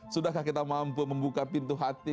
sudahkah kita mampu membuka pintu hati